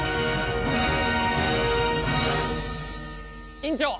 院長！